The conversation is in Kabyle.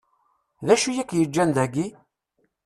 D acu i k-yeǧǧan dagi?